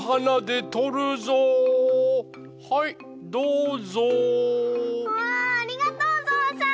うわありがとうぞうさん。